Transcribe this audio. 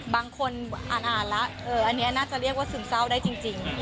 บางคนอ่านแล้วอันนี้น่าจะเรียกว่าซึมเศร้าได้จริง